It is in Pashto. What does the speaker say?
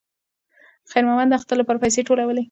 خیر محمد د اختر لپاره پیسې ټولولې.